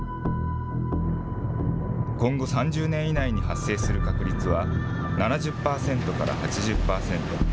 今後３０年以内に発生する確率は７０％から８０％。